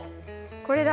これだ！